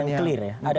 itu bukan yang clear ya